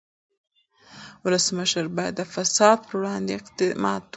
ولسمشر باید د فساد پر وړاندې اقدامات وکړي.